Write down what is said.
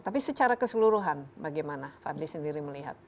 tapi secara keseluruhan bagaimana fadli sendiri melihat